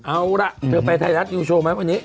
เอาล่ะเธอไปไทยรัฐนิวโชว์ไหมวันนี้